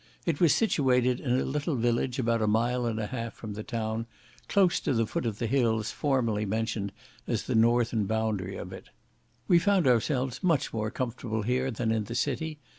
It was situated in a little village about a mile and a half from the town, close to the foot of the hills formerly mentioned as the northern boundary of it. We found ourselves much more comfortable here than in the city.